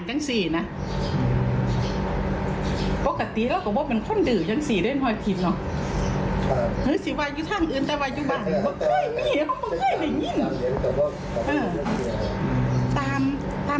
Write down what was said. เธอบอกว่าเธอบอกว่าเธอบอกว่าเธอบอกว่า